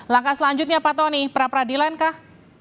langkah selanjutnya pak tony pra pra dilengkah